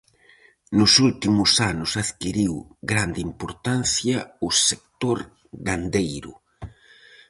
Nos últimos anos adquiriu grande importancia o sector gandeiro.